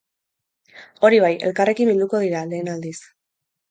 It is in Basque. Hori bai, elkarrekin bilduko dira, lehen aldiz.